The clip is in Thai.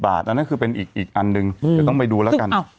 บาทอันนั้นคือเป็นอีกอันหนึ่งเดี๋ยวต้องไปดูแล้วกัน